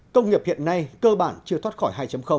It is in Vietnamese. công nghiệp hiện nay cơ bản chưa thoát khỏi hai